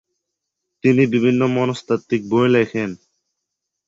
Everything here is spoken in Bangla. তিনি বিভিন্ন মনস্তাত্ত্বিক বই লেখেন।